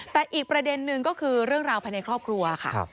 แต่อีกประเด็นนึงก็คือเรื่องราวภายในครอบครัวค่ะ